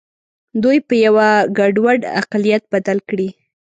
دوی په یوه ګډوډ اقلیت بدل کړي.